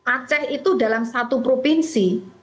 aceh itu dalam satu provinsi